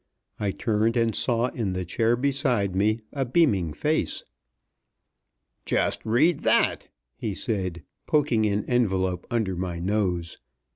I turned and saw in the chair beside me a beaming face. "Just read that!" he said, poking an envelope under my nose.